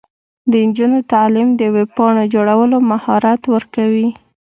د نجونو تعلیم د ویب پاڼو جوړولو مهارت ورکوي.